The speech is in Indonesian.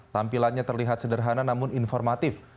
tampilannya terlihat sederhana namun informatif